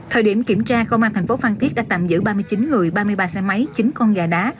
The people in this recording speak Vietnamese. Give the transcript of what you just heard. thời điểm kiểm tra công an thành phố phan thiết đã tạm giữ ba mươi chín người ba mươi ba xe máy chín con gà đá